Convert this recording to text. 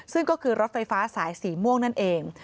ซึ่งก็คือรถไฟฟ้าสายสีม่วงนั่นเอง